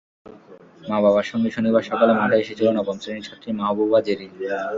মা-বাবার সঙ্গে শনিবার সকালে মাঠে এসেছিল নবম শ্রেণির ছাত্রী মাহবুবা জেরিন।